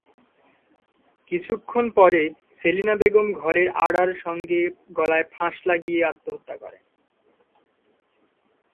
কিছুক্ষণ পরে সেলিনা বেগম ঘরের আড়ার সঙ্গে গলায় ফাঁস লাগিয়ে আত্মহত্যা করেন।